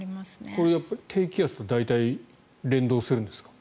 これ、低気圧と大体連動するんですか？